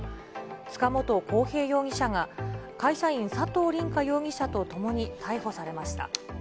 塚本晃平容疑者が、会社員、佐藤凜果容疑者と共に逮捕されました。